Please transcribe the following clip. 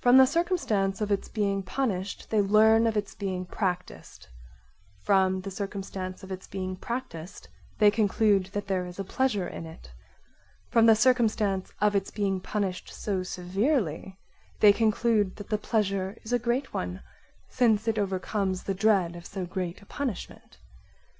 From the circumstance of its being punished they learn of its being practised, from the circumstance of its being practised they conclude that there is a pleasure in it; from the circumstance of its being punished so severely they conclude that the pleasure is a great one, since it overcomes the dread of so great a punishment.